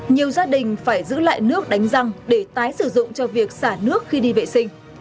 nhiều gia đình phải giữ lại nước đánh răng để tái sử dụng cho việc xả nước khi đi vệ sinh